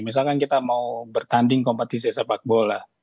misalkan kita mau bertanding kompetisi sepak bola